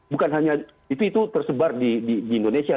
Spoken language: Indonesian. bukan hanya itu tersebar di indonesia